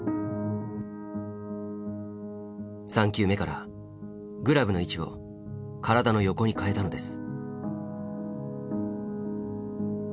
３球目からグラブの位置を体の横に変えたのです。